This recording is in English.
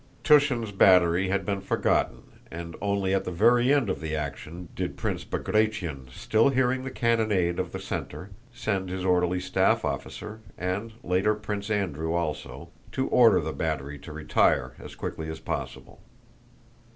Túshin's battery had been forgotten and only at the very end of the action did Prince Bagratión, still hearing the cannonade in the center, send his orderly staff officer, and later Prince Andrew also, to order the battery to retire as quickly as possible.